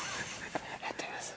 やってみます。